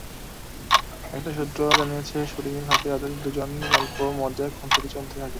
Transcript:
একটি সূত্র জানিয়েছে, শুটিংয়ের ফাঁকে তাঁদের দুজনের গল্প, মজা, খুনসুটি চলতেই থাকে।